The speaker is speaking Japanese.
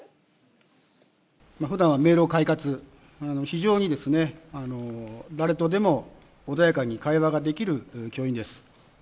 ふだんは明朗快活、非常に、誰とでも穏やかに会話ができる教員です。